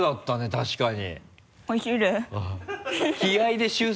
確かに。